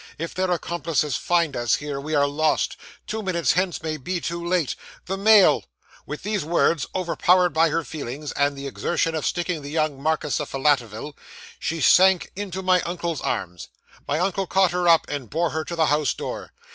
If their accomplices find us here, we are lost. Two minutes hence may be too late. The mail!" With these words, overpowered by her feelings, and the exertion of sticking the young Marquess of Filletoville, she sank into my uncle's arms. My uncle caught her up, and bore her to the house door.